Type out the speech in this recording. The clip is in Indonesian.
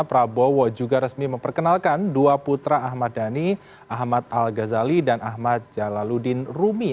prabowo juga resmi memperkenalkan dua putra ahmad dhani ahmad al ghazali dan ahmad jalaludin rumi